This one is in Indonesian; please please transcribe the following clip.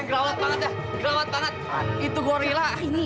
kelawat banget ya kelawat banget